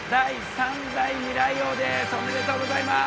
おめでとうございます。